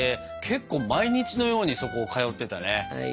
けっこう毎日のようにそこ通ってたね。